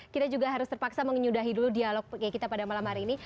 kita juga harus terpaksa menyudahi dulu dialog kita pada malam hari ini